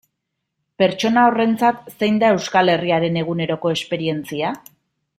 Pertsona horrentzat zein da Euskal Herriaren eguneroko esperientzia?